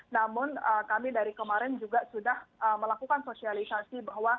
namun kami dari kemarin juga sudah melakukan sosialisasi bahwa